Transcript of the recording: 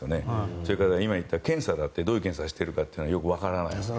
それから今言った検査だってどういった検査をしているのかわからないですよね。